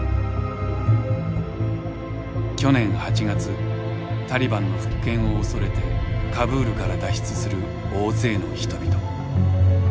去年８月タリバンの復権を恐れてカブールから脱出する大勢の人々。